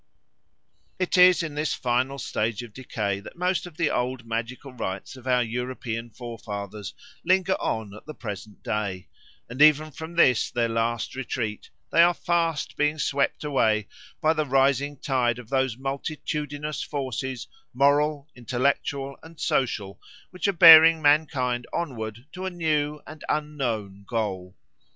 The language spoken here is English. It is in this final stage of decay that most of the old magical rites of our European forefathers linger on at the present day, and even from this their last retreat they are fast being swept away by the rising tide of those multitudinous forces, moral, intellectual, and social, which are bearing mankind onward to a new and unknown goal.